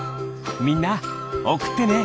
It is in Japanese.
みんなおくってね！